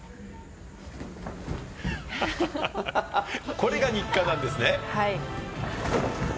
これが日課なんですね。